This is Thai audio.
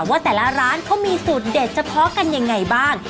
ว่าแต่ละร้านเขามีสูตรเด็ดเฉพาะกันยังไงบ้าง